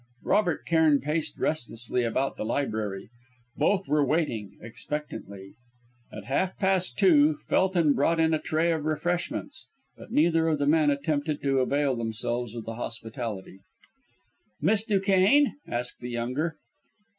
Robert Cairn paced restlessly about the library. Both were waiting, expectantly. At half past two Felton brought in a tray of refreshments, but neither of the men attempted to avail themselves of the hospitality. "Miss Duquesne?" asked the younger.